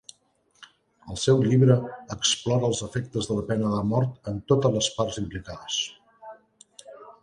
Al seu llibre, explora els efectes de la pena de mort en totes les parts implicades.